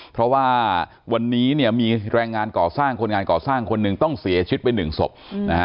เพราะว่าวันนี้เนี่ยมีแรงงานก่อสร้างคนงานก่อสร้างคนหนึ่งต้องเสียชีวิตไปหนึ่งศพนะฮะ